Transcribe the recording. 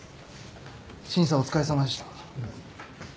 審査お疲れさまでした。